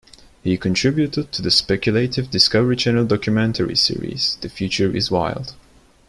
He contributed to the speculative Discovery Channel documentary series "The Future Is Wild".